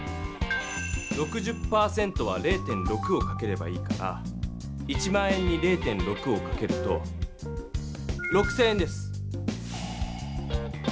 ６０％は０．６をかければいいから１００００円に０．６をかけると６０００円です。